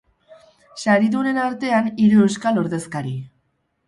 Saridunen artean, hiru euskal ordezkari.